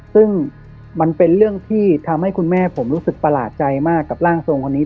ซึ่งมันเป็นเรื่องที่ทำให้คุณแม่ผมรู้สึกประหลาดใจมากกับร่างทรงคนนี้